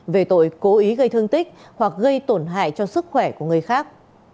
về tội cố ý gây thương tích hoặc gây tổn hại cho sức khỏe của người khác